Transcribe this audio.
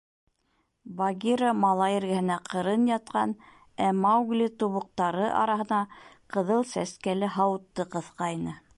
Багира малай эргәһенә ҡырын ятҡан, ә Маугли тубыҡтары араһына Ҡыҙыл Сәскәле һауытты ҡыҫҡайны.